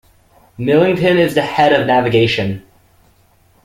Millington is the head of navigation.